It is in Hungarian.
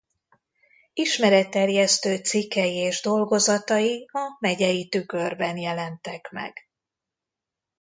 Ismeretterjesztő cikkei és dolgozatai a Megyei Tükörben jelentek meg.